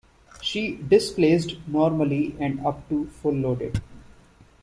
She displaced normally and up to full loaded.